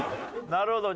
なるほど。